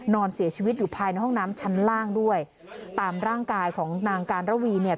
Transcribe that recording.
นอนเสียชีวิตอยู่ภายในห้องน้ำชั้นล่างด้วยตามร่างกายของนางการระวีเนี่ย